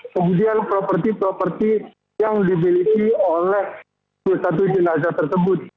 kemudian properti properti yang dimiliki oleh satu jenazah tersebut